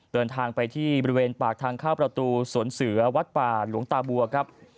เดินทางไปที่บริเวณปากทางเข้าประตูสวนเสือวัดป่าหลวงตาบัวครับ